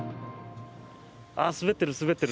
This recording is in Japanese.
滑ってる、滑ってる。